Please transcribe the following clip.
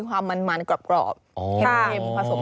ไซส์ลำไย